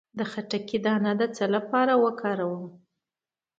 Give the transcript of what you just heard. د خربوزې دانه د څه لپاره وکاروم؟